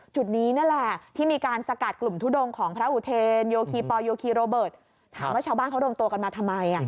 จุดนี้นั่นแหละที่มีการสกัดกลุ่มทุดงของพระอุเทนโยคีปอลโยคีโรเบิร์ตถามว่าชาวบ้านเขารวมตัวกันมาทำไม